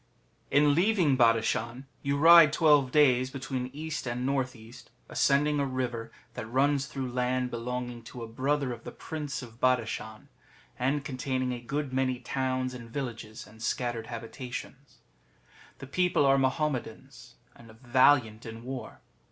In leaving Badashan you ride twelve days between east and north east, ascending a river that runs through land belono insf to a brother of the Prince of Badashan, and containing a good many towns and villages and scattered habitations. The people are Mahommetans, and valiant in war.